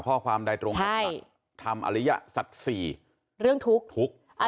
ข้อความไหนตรงกับหลักทำอริยสัตว์๔เรื่องทุกข์ใช่